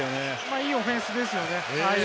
いいオフェンスですよね。